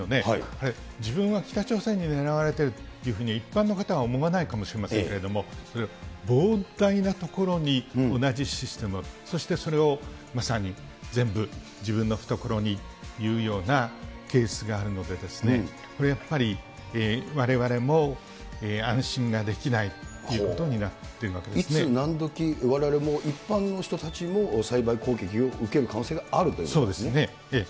あれ、自分は北朝鮮に狙われているというふうに一般の方は思わないかもしれないけれども、膨大なところに同じシステムが、そしてそれをまさに全部、自分の懐にというようなケースがあるので、これやっぱり、われわれも安心ができないということになっているいつなんどき、われわれも、一般の人たちもサイバー攻撃を受ける可能性があるとそうですね。